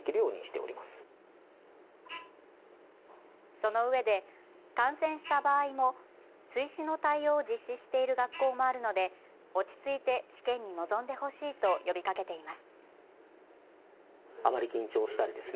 そのうえで感染した場合も追試の対応を実施している学校もあるので、落ち着いて試験に臨んでほしいと呼びかけています。